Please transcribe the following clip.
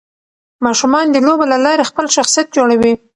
ماشومان د لوبو له لارې خپل شخصيت جوړوي.